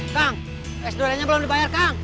kang es duriannya belum dibayar kang